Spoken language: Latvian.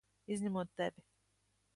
Izņemot tevi!